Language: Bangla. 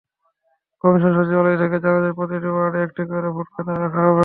কমিশন সচিবালয় থেকে জানা যায়, প্রতিটি ওয়ার্ডে একটি করে ভোটকেন্দ্র রাখা হবে।